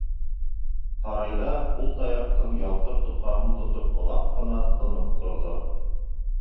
Һарайҙа ҡул таяҡтың ялтыр тотҡаһын тотоп оҙаҡ ҡына тынып торҙо.